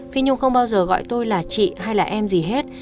phi nhung không bao giờ gọi tôi là chị hay là em gì hết